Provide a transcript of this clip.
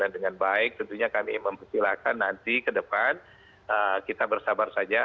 dan dengan baik tentunya kami memperkilakan nanti ke depan kita bersabar saja